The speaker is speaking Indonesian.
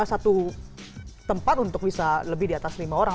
satu tempat untuk bisa lebih diatas lima orang